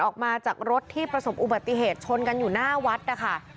ออกมาจากรถที่ประสบอุบัติเหตุชนกันอยู่หน้าวัดนะคะ